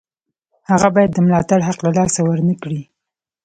هغه باید د ملاتړ حق له لاسه ورنکړي.